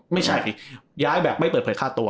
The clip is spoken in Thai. ไม่ใช่สิย้ายแบบไม่เปิดเผยค่าตัว